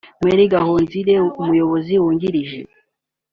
Mary Gahonzire umuyobozi wungirije